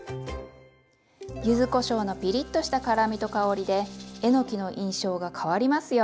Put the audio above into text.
ゆずこしょうのピリッとした辛みと香りでえのきの印象が変わりますよ。